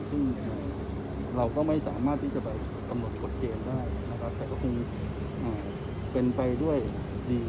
ซึ่งเราก็ไม่สามารถที่จะไปกำหนดกฎเกณฑ์ได้นะครับแต่ก็คงเป็นไปด้วยดี